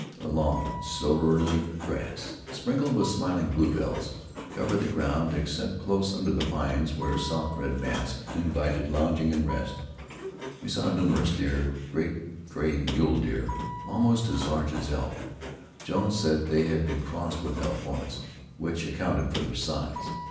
A long, silvery grass, sprinkled with smiling bluebells, covered the ground, except close under the pines, where soft red mats invited lounging and rest. We saw numerous deer, great gray mule deer, almost as large as elk. Jones said they had been crossed with elk once, which accounted for their size.